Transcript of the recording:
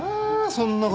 そんな事。